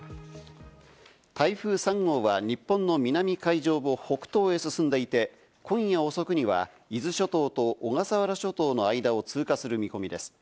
台風３号は日本の南海上を北東へ進んでいて、今夜遅くには伊豆諸島と小笠原諸島の間を通過する見込みです。